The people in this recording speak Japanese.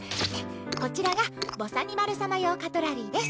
こちらが「ぼさにまる」様用カトラリーです。